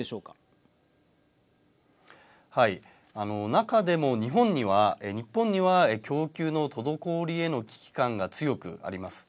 中でも日本には供給の滞りへの危機感が強くあります。